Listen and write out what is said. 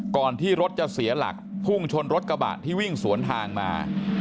ก่อนที่รถจะเสียหลักพุ่งชนรถกระบะที่วิ่งสวนทางมา